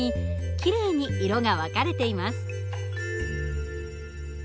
きれいに色が分かれています。